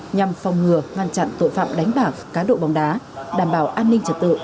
nhằm phòng ngừa ngăn chặn tội phạm đánh bạc cá độ bóng đá đảm bảo an ninh trật tự